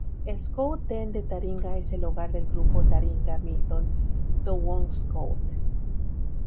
El Scout Den de Taringa es el hogar del Grupo Taringa-Milton-Toowong Scout.